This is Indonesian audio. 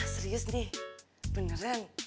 serius nih beneran